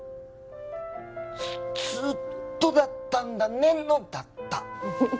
「ずーっとだったんだね」の「だった」。